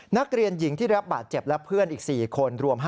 นักเรียนหญิงที่รับบาดเจ็บและเพื่อนอีก๔คนรวม